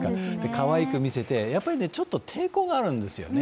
かわいく見せて、やっぱりちょっと抵抗があるんですよね。